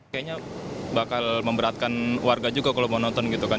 kayaknya bakal memberatkan warga juga kalau mau nonton gitu kan